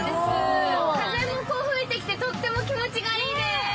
風も吹いてきて、とっても気持ちがいいです。